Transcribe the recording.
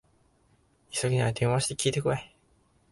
急ぎなら電話して聞いてこい